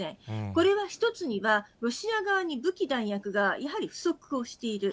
これは１つには、ロシア側に武器、弾薬がやはり不足をしている。